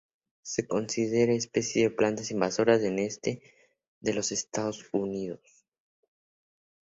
Se considera especie de plantas invasoras en el "este de los Estados Unidos".